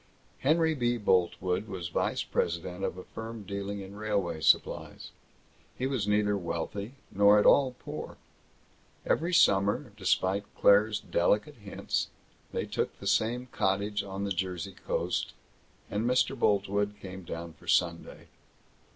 Henry B. Boltwood was vice president of a firm dealing in railway supplies. He was neither wealthy nor at all poor. Every summer, despite Claire's delicate hints, they took the same cottage on the Jersey Coast, and Mr. Boltwood came down for Sunday.